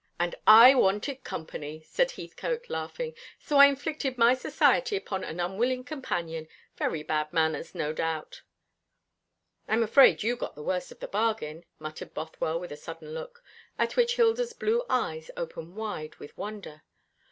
"And I wanted company," said Heathcote, laughing, "so I inflicted my society upon an unwilling companion. Very bad manners, no doubt." "I'm afraid you got the worst of the bargain," muttered Bothwell, with a sullen look, at which Hilda's blue eyes opened wide with wonder.